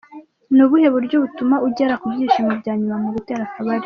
Ni ubuhe buryo butuma ugera ku byishimo bya nyuma mu gutera akabariro?.